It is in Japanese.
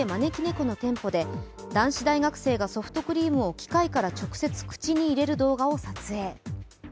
この店舗で男子大学生がソフトクリームを機械から直接口に入れる動画を撮影。